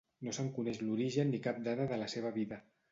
No se'n coneix l'origen ni cap dada de la seva vida.